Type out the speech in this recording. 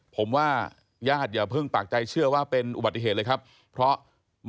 ผมว่าญาติอย่าเพิ่งปากใจเชื่อว่าเป็นอุบัติเหตุเลยครับเพราะ